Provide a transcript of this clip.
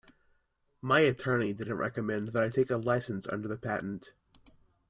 My attorney didn't recommend that I take a licence under the patent.